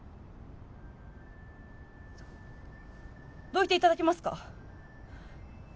どいていただけますか？